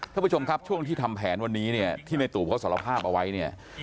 ท่านผู้ชมครับช่วงที่ทำแผนวันนี้เนี่ยที่ในตูบเขาสารภาพเอาไว้เนี่ย